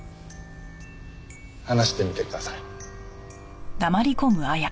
話してみてください。